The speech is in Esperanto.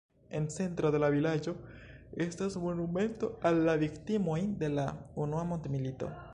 En centro de la vilaĝo estas monumento al la viktimoj de la unua mondmilito.